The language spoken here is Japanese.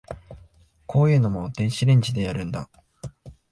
こういうのも電子レンジでやるんだ